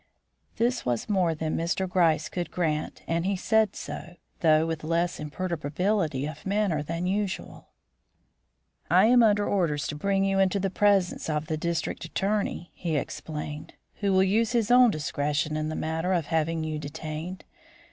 This was more than Mr. Gryce could grant, and he said so, though with less imperturbability of manner than usual. "I am under orders to bring you into the presence of the District Attorney," he explained, "who will use his own discretion in the matter of having you detained.